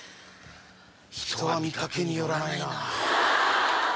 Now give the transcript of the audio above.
人は見掛けによらないな。